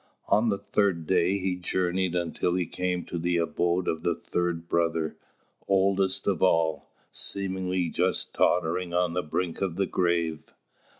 On the third day he journeyed until he came to the abode of the third brother, oldest of all, seemingly just tottering on the brink of the grave.